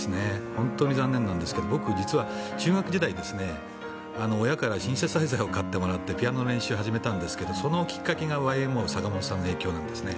本当に残念なんですが僕、実は中学時代親からシンセサイザーを買ってもらってピアノの練習を始めたんですがそのきっかけがＹＭＯの坂本さんの影響なんですね。